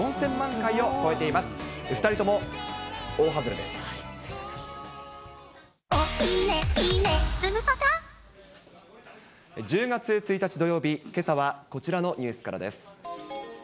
ロビンソン、１０月１日土曜日、けさはこちらのニュースからです。